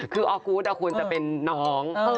คือออกูธควรจะเป็นน้อง